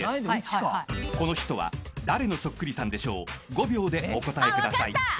［５秒でお答えください］分かった！